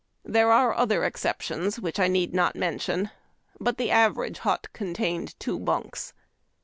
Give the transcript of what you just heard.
There are other exceptions which I need not mention ; but the average hut contained two bunks.